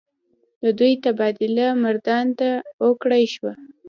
د دوي تبادله مردان ته اوکړے شوه ۔